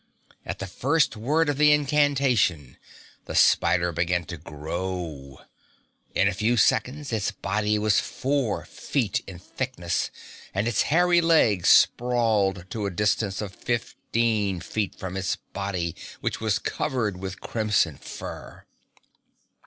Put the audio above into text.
At the first word of the incantation the spider began to grow. In a few seconds its body was four feet in thickness, and its hairy legs sprawled to a distance of fifteen feet from its body which was covered with a crimson fur.